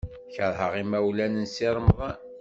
Keṛheɣ imawlan n Si Remḍan.